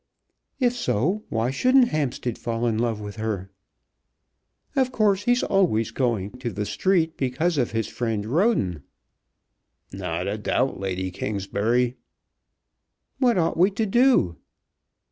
"If so, why shouldn't Hampstead fall in love with her? Of course he's always going to the street because of his friend Roden." "Not a doubt, Lady Kingsbury." "What ought we to do?"